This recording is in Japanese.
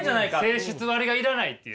性質割が要らないっていう。